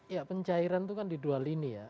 ya pencairan itu kan di dua linia